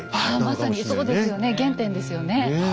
まさにそうですよね原点ですよね。